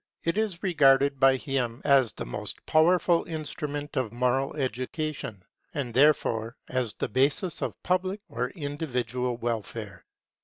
It is regarded by him as the most powerful instrument of moral education; and therefore as the basis of public or individual welfare.